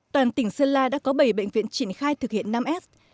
toàn tỉnh sơn la đã có bảy bệnh viện triển khai thực hiện năm s